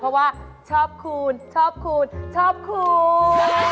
เพราะว่าชอบคูณชอบคูณชอบคูณ